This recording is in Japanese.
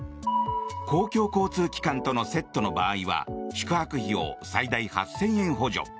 公共交通機関とのセットの場合は宿泊費を最大８０００円補助。